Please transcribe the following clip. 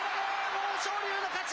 豊昇龍の勝ち。